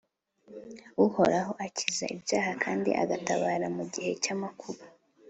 Uhoraho akiza ibyaha kandi agatabara mu gihe cy’amakuba